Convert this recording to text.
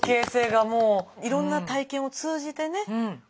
いろんな体験を通じてね